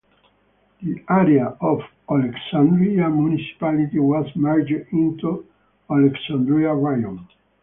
The area of Oleksandriia Municipality was merged into Oleksandriia Raion.